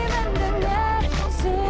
kau ada di sini